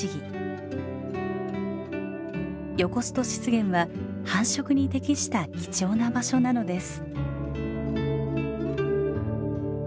ヨコスト湿原は繁殖に適した貴重な場所なのです。